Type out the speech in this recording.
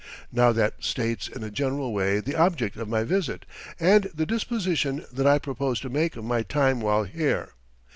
Now that states in a general way the object of my visit and the disposition that I propose to make of my time while here.